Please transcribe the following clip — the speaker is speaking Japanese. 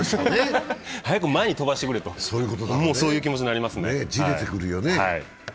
早く前に飛ばしてくれと、もうそういう気持ちになりますよね。